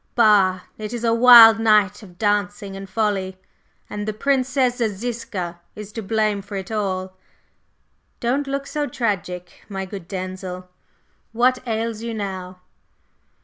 Bah! It is a wild night of dancing and folly, and the Princess Ziska is to blame for it all! Don't look so tragic, my good Denzil, what ails you now?"